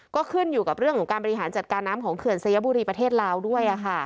ก็ขึ้นอยู่กับเรื่องของการบริหารจัดการน้ำของเขื่อนสยบุรีประเทศลาวด้วย